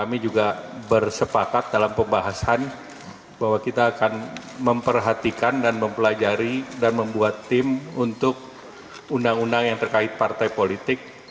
kami juga bersepakat dalam pembahasan bahwa kita akan memperhatikan dan mempelajari dan membuat tim untuk undang undang yang terkait partai politik